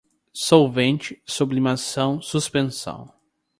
solvente, sublimação, suspensão